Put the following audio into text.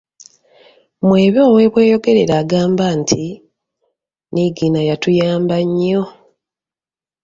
Mwebe ow’e Bweyogerere agamba nti, ‘‘Niigiina yatuyamba nnyo".